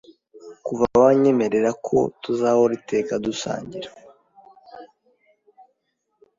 kuva wanyemererako tuzahora iteka dusangira